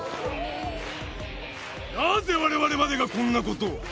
なぜわれわれまでがこんなことを。